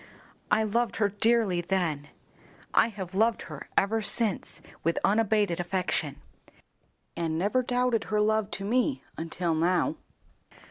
I loved her dearly then. I have loved her ever since with unabated affection, and never doubted her love to me until now."